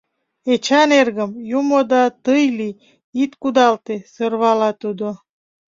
— Эчан эргым, юмо да тый лий, ит кудалте, — сӧрвала тудо.